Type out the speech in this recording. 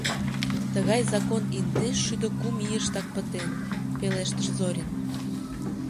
Тыгай закон индеш шӱдӧ кум ийыштак пытен! — пелештыш Зорин.